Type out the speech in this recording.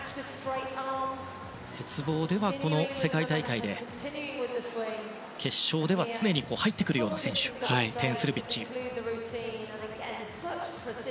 鉄棒では、世界大会で決勝では常に入ってくるようなテン・スルビッチ。